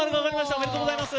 おめでとうございます。